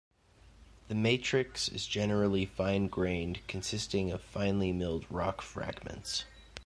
The matrix is generally fine-grained, consisting of finely milled rock fragments.